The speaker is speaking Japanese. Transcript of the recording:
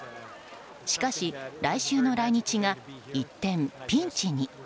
しかし、来週の来日が一転ピンチに。